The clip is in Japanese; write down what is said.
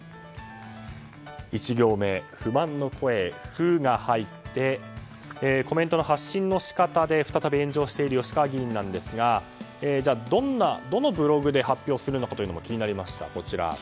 １行目不満の声「フ」が入ってコメントの発信の仕方で再び炎上している吉川議員ですが、どのブログで発表するのかというのも気になりました。